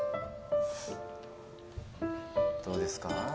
どうですか？